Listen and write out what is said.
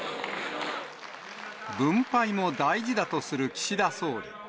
分配も大事だとする岸田総理。